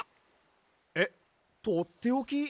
えっとっておき？